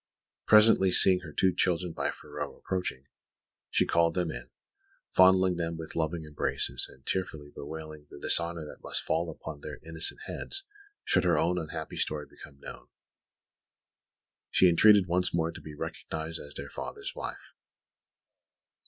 Presently seeing her two children by Ferraud approaching, she called them in, fondling them with loving embraces, and, tearfully bewailing the dishonour that must fall upon their innocent heads should her own unhappy story become known, she entreated once more to be recognised as their father's wife.